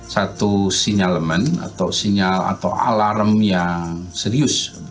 satu sinyal atau alarm yang serius